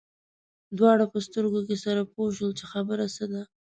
دواړه په سترګو کې سره پوه شول چې خبره څه ده.